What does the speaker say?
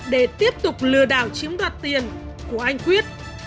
để tiếp tục lừa đảo chiếm đoạt tiền của anh quyết